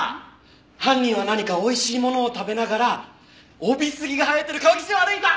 犯人は何かおいしいものを食べながらオビスギが生えてる川岸を歩いた！